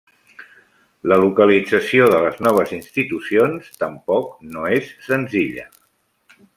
La localització de les noves institucions tampoc no és senzilla.